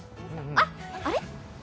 あっ、あれ？